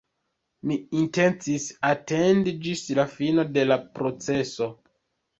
Mi intencis atendi ĝis la fino de la proceso.